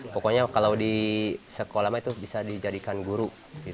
pokoknya kalau di sekolah mah itu bisa dijadikan guru